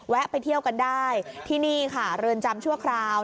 ไปเที่ยวกันได้ที่นี่ค่ะเรือนจำชั่วคราว